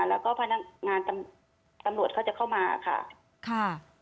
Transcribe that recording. แล้วก็พนักงานตำรวจเขาจะเข้ามาค่ะค่ะ